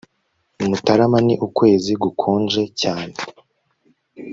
Mutarama ni ukwezi gukonje cyane